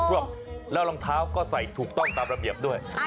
แล้วรองเท้าก็ใส่ถูกต้องตามระเบียบด้วย